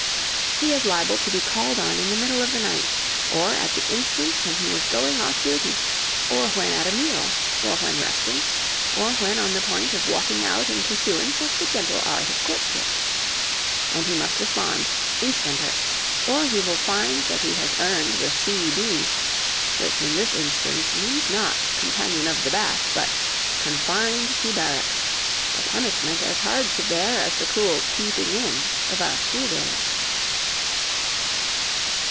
He is liable to be called on in the middle of the night, or at the instant when he is going off duty, or when at a meal, or when resting, or when on the point of walking out in pursuance of the gentle art of courtship. And he must respond, instanter, or he will find that he has earned the C.B. which in this instance means not Companion of the Bath, but Confined to Barracks, a punishment as hard to bear as the cruel "keeping in" of our school days.